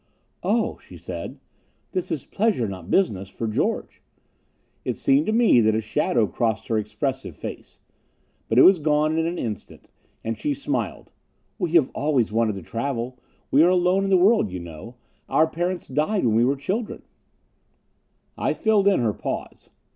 "Oh," she said, "this is pleasure, not business, for George." It seemed to me that a shadow crossed her expressive face. But it was gone in an instant, and she smiled. "We have always wanted to travel. We are alone in the world, you know our parents died when we were children." I filled in her pause.